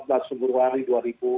oke kemudian pemilihan kepala daerah